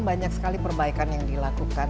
banyak sekali perbaikan yang dilakukan